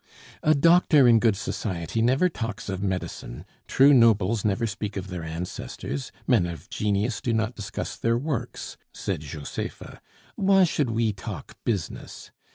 "A doctor in good society never talks of medicine, true nobles never speak of their ancestors, men of genius do not discuss their works," said Josepha; "why should we talk business?